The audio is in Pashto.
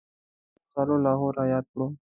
په سهار کې ترخو مسالو لاهور را یاد کړو.